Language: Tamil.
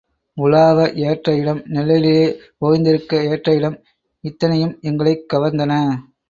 உலாவ ஏற்ற இடம் நிழலிலே ஒய்ந்திருக்க ஏற்ற இடம் இத்தனையும் எங்களைக் கவர்ந்தன.